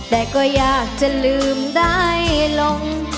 แต่ก็อยากจะลืมได้ลง